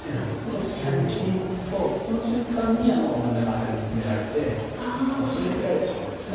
１路下に切りますとその瞬間に真ん中アタリを決められてすり抜けられてしまうんです。